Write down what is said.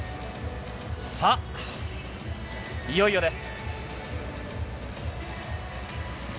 さあ、いよいよです。